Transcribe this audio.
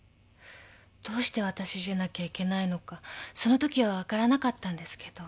どうしてわたしじゃなきゃいけないのかそのときは分からなかったんですけど。